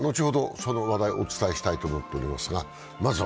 その話題お伝えしたいと思っていますが、まずは。